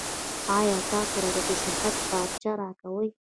ایا تاسو راته د صحت پارچه راکوئ؟